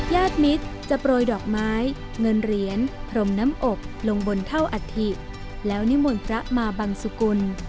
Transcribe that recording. ญาติมิตรจะโปรยดอกไม้เงินเหรียญพรมน้ำอบลงบนเท่าอัฐิแล้วนิมนต์พระมาบังสุกุล